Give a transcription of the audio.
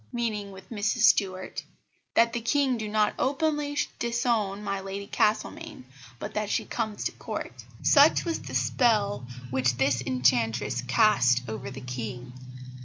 meaning with Mrs Stuart; that the King do not openly disown my Lady Castlemaine, but that she comes to Court." Such was the spell which this enchantress cast over the King.